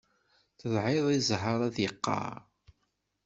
Tedɛiḍ i zzheṛ ad yeqqaṛ.